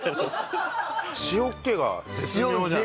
塩っ気が絶妙じゃない？